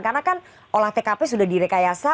karena kan olah tkp sudah direkayasa